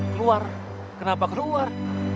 keluar kenapa keluar